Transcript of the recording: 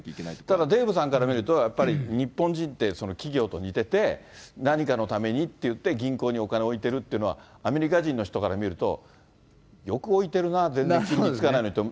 ただデーブさんから見ると、やっぱり日本人って、企業と似てて、何かのためにっていって、銀行にお金を置いてるっていうのは、アメリカ人の人から見ると、よく置いてるな、全然使わないのにって。